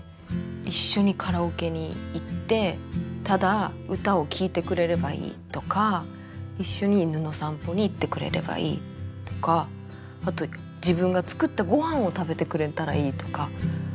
一緒にカラオケに行ってただ歌を聴いてくれればいいとか一緒に犬の散歩に行ってくれればいいとかあと自分が作った御飯を食べてくれたらいいとか。